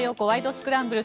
スクランブル」。